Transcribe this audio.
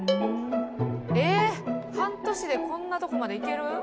えっ半年でこんなとこまでいける？